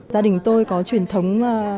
gia đình tôi có truyền thông